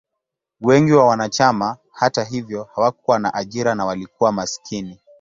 Wengi wa wanachama, hata hivyo, hawakuwa na ajira na walikuwa maskini.